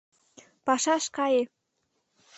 — Пашаш кае!..